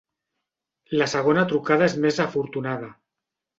La segona trucada és més afortunada.